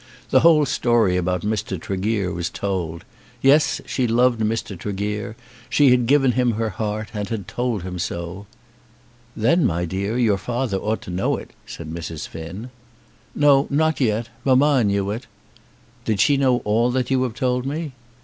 The whole story about Mr. Tregear was told. Yes; she loved Mr. Tregear. She had given him her heart, and had told him so. "Then, my dear, your father ought to know it," said Mrs. Finn. "No; not yet. Mamma knew it." "Did she know all that you have told me?"